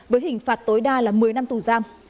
với hình phạt tối đa là một mươi năm tù giam